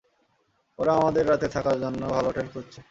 ওরা আমাদের রাতে থাকার জন্য ভালো হোটেল খুঁজছে।